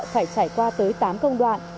phải trải qua tới tám công đoạn